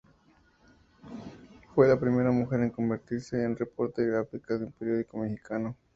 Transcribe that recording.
Fue la primera mujer en convertirse en reportera gráfica de un periódico mexicano.